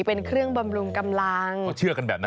เป็นเครื่องบำรุงกำลังเขาเชื่อกันแบบนั้น